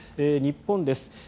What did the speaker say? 日本です。